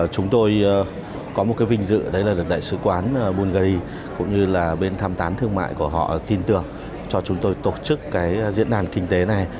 chúng tôi có một cái vinh dự đấy là đại sứ quán bungary cũng như là bên tham tán thương mại của họ tin tưởng cho chúng tôi tổ chức cái diễn đàn kinh tế này